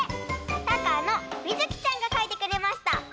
たかのみずきちゃんがかいてくれました。